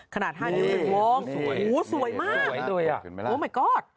ขนาด๕นิ้ว๑วงโหสวยมากโอ้มายก๊อต